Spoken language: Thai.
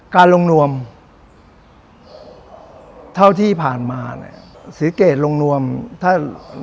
การลงนวมเท่าที่ผ่านมาเนี่ยศรีเกตลงนวมถ้า